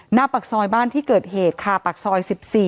หน้าปากซอยบ้านที่เกิดเหตุค่ะปากซอย๑๔